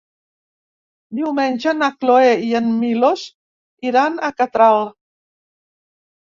Diumenge na Cloè i en Milos iran a Catral.